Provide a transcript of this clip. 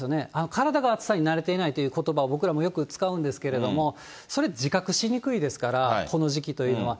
体が暑さに慣れていないということばを僕らもよく使うんですけれども、それ、自覚しにくいですから、この時期というのは。